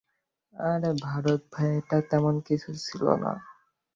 আরে ভারত ভাইয়া, এটা তেমন কিছু না।